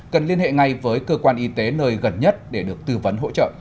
cần liên hệ ngay với cơ quan y tế nơi gần nhất để được tư vấn hỗ trợ